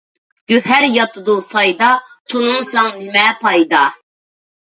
گۆھەر ياتىدۇ سايدا، تۇنۇمىساڭ نىمە پايدا.